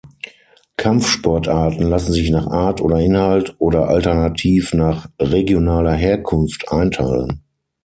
Kampfsportarten lassen sich nach Art oder Inhalt oder alternativ nach regionaler Herkunft einteilen.